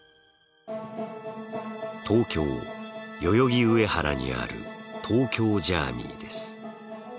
東京・代々木上原にある東京ジャーミイです。